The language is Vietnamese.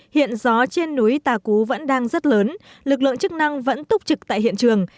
hiện gió trên núi tà cú vẫn đang rất lớn lực lượng chức năng vẫn túc trực tại hiện trường